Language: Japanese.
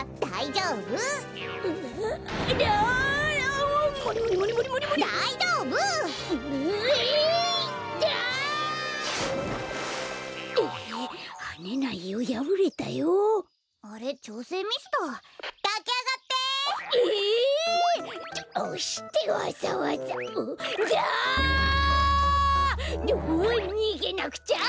うおにげなくちゃ！